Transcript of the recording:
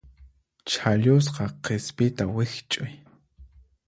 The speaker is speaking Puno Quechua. Chhallusqa qispita wikch'uy.